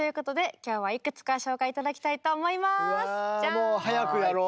もう早くやろう。